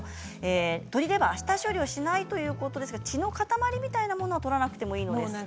鶏レバーは下処理をしないということですが血の塊みたいなものは取らなくていいんですか。